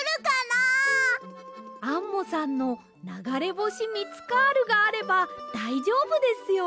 アンモさんのながれぼしミツカールがあればだいじょうぶですよ。